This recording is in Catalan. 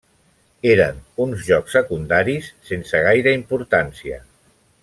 Eren uns jocs secundaris sense gaire importància.